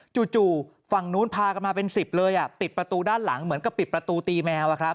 จู่จู่ฝั่งนู้นพากันมาเป็นสิบเลยอ่ะปิดประตูด้านหลังเหมือนกับปิดประตูตีแมวอ่ะครับ